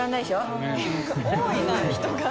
多いな人が。